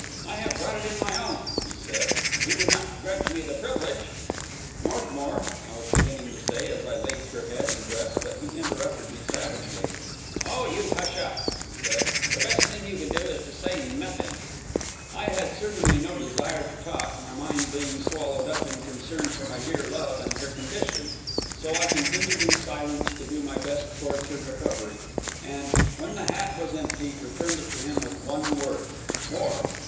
"I have brought it in my own," he said. "You do not grudge me the privilege?" "Northmour," I was beginning to say, as I laved her head and breast; but he interrupted me savagely. "Oh, you hush up!" he said. "The best thing you can do is to say nothing." I had certainly no desire to talk, my mind being swallowed up in concern for my dear love and her condition; so I continued in silence to do my best towards her recovery, and, when the hat was empty, returned it to him, with one word—"More."